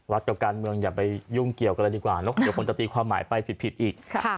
กับการเมืองอย่าไปยุ่งเกี่ยวกันเลยดีกว่าเนอะเดี๋ยวคนจะตีความหมายไปผิดอีก